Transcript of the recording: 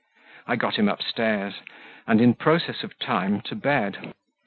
I got him up stairs, and, in process of time, to bed.